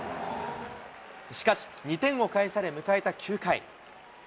しかし、２点を返され、迎えた９回。